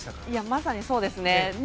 まさにそうですね。